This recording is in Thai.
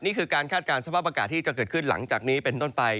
นี่คือการคาดการณ์สภาพอากาศที่จะเกิดขึ้นหลังจากนี้เป็นต้นไป